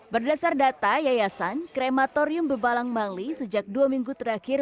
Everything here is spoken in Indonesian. berdasar data yayasan krematorium bebalang bangli sejak dua minggu terakhir